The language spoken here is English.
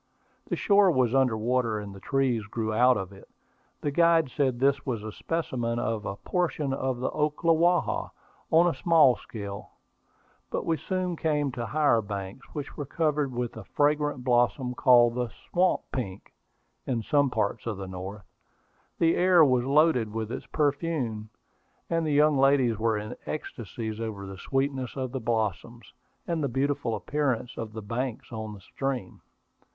The shore was under water, and the trees grew out of it. The guide said this was a specimen of a portion of the Ocklawaha, on a small scale. But we soon came to higher banks, which were covered with a fragrant blossom called the "swamp pink" in some parts of the North. The air was loaded with its perfume, and the young ladies were in ecstasies over the sweetness of the blossoms, and the beautiful appearance of the banks of the stream.